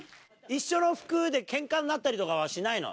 一緒の服でけんかになったりとかはしないの？